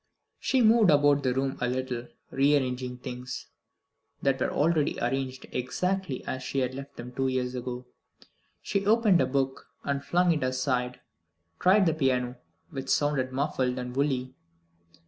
She moved about the room a little, rearranging things that were already arranged exactly as she had left them two years ago. She opened a book and flung it aside; tried the piano, which sounded muffled and woolly.